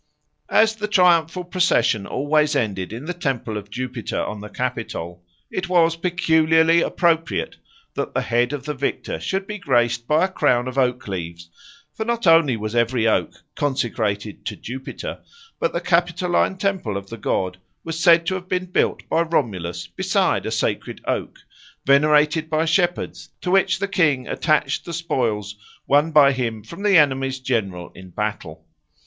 As the triumphal procession always ended in the temple of Jupiter on the Capitol, it was peculiarly appropriate that the head of the victor should be graced by a crown of oak leaves, for not only was every oak consecrated to Jupiter, but the Capitoline temple of the god was said to have been built by Romulus beside a sacred oak, venerated by shepherds, to which the king attached the spoils won by him from the enemy's general in battle.